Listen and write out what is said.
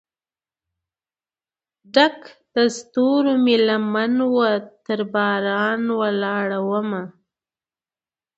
ډکه دستورومې لمن وه ترباران ولاړ مه